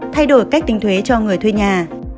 thay đổi cách tính thuế cho người thuê nhà